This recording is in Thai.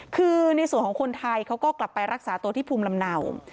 คือในส่วนของคนไทยเขาก็กลับไปรักษาตัวที่ภูมิลำเนา